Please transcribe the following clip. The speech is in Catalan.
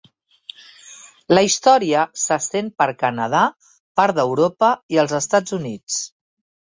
La història s'estén per Canadà, part d'Europa i els Estats Units.